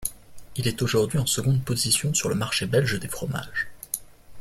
Il est aujourd'hui en seconde position sur le marché belge des fromages.